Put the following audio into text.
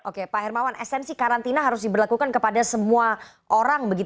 oke pak hermawan esensi karantina harus diberlakukan kepada semua orang